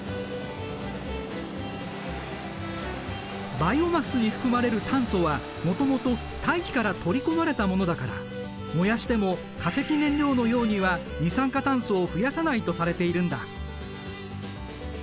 バイオマスに含まれる炭素はもともと大気から取り込まれたものだから燃やしても化石燃料のようには二酸化炭素を増やさないとされているんだ。